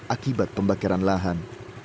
akibat pembakaran lahan